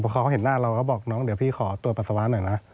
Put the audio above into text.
พอเขาเห็นหน้าเราก็บอกน้องเดี๋ยวพี่ขอตรวจปัสสาวะหน่อยนะ